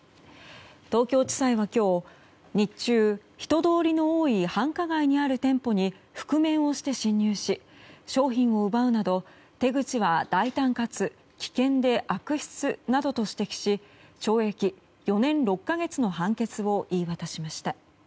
東京地裁は今日日中、人通りの多い繁華街にある店舗に覆面をして侵入し商品を奪うなど手口は大胆かつ危険で悪質などと指摘し懲役４年６か月の判決を言い渡しました。